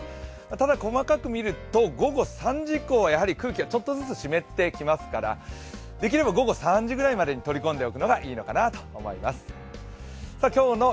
ただ細かく見ると午後３時以降はやはり空気がちょっとずつ湿ってきますからできれば午後３時ぐらいまでに取り込んでおくのがいいのかなと思います。